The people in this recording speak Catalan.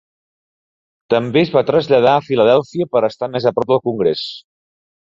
També es va traslladar a Filadèlfia per estar més a prop del Congrés.